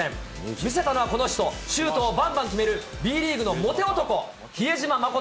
見せたのはこの人、シュートをばんばん決めるＢリーグのモテ男、比江島慎。